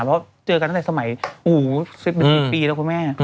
เพราะเจอกันตั้งแต่สมัย๑๐ปีแล้วคุณแม่